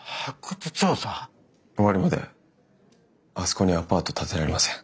終わるまであそこにアパート建てられません。